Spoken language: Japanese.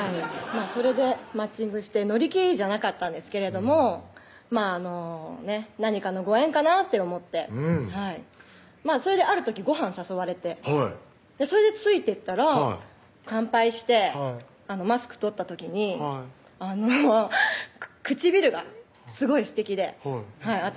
それでマッチングして乗り気じゃなかったんですけれど何かのご縁かなって思ってうんそれである時ごはん誘われてそれでついてったら乾杯してマスク取った時にあの唇がすごいすてきで私